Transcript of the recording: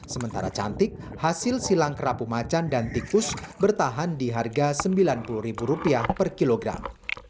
sementara cantik hasil silang kerabu macan dan tikus bertahan di harga sembilan puluh ribu rupiah per kilogram